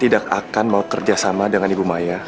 tidak akan mau kerjasama dengan ibu maya